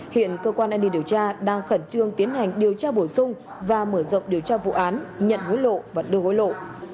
hiện cơ quan an ninh điều tra đang khẩn trương tiến hành điều tra bổ sung và mở rộng điều tra vụ án nhận hối lộ và đưa hối lộ